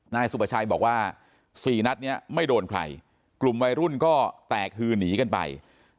นะฉันบอกว่า๔นัดเนี่ยไม่โดนใครกลุ่มใบรุ่นก็แตกครูหนีเข้าไป